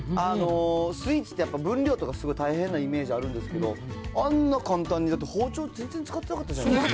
スイーツって分量とかすごい大変なイメージあるんですけど、あんな簡単に、だって包丁全然使ってなかったじゃないですか。